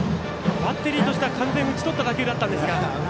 バッテリーとしては完全に打ち取った打球だったんですが。